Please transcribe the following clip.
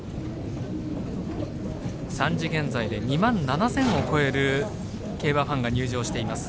３時現在で２万７０００を超える競馬ファンが入場しています